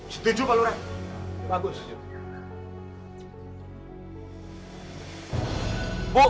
setuju pak lurar bagus